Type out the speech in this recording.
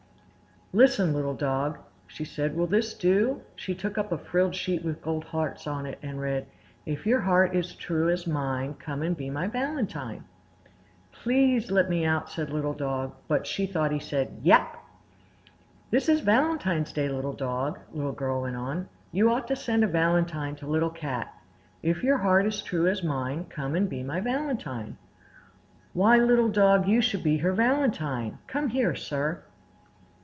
"Listen, Little Dog!" she said. "Will this do?" She took up a frilled sheet with gold hearts on it and read: "'If your heart is true as mine, Come and be my valentine.'" [Illustration: "THEN SHE MADE TWO LITTLE STARS AND PASTED THEM ON THE TIPS OF HIS EARS."] "Please let me out!" said Little Dog; but she thought he said "Yap!" "This is Valentine's Day, Little Dog," Little Girl went on. "You ought to send a valentine to Little Cat. "'If your heart is true as mine, Come and be my valentine.' Why, Little Dog, you shall be her valentine. Come here, sir!"